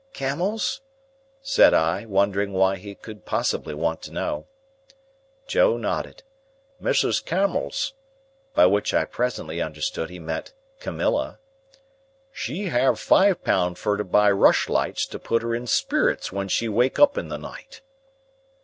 "Camels?" said I, wondering why he could possibly want to know. Joe nodded. "Mrs. Camels," by which I presently understood he meant Camilla, "she have five pound fur to buy rushlights to put her in spirits when she wake up in the night."